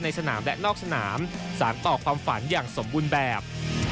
สนามและนอกสนามสารต่อความฝันอย่างสมบูรณ์แบบ